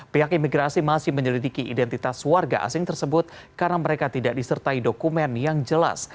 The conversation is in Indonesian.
pihak imigrasi masih menyelidiki identitas warga asing tersebut karena mereka tidak disertai dokumen yang jelas